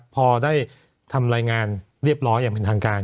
พอได้ทำรายงานเรียบร้อยอย่างเป็นทางการ